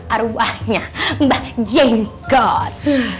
arwahnya mbah jenggot